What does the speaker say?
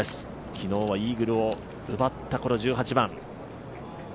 昨日はイーグルを奪ったこの１８番。